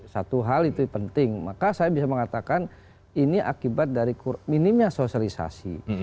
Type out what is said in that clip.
satu hal itu penting maka saya bisa mengatakan ini akibat dari minimnya sosialisasi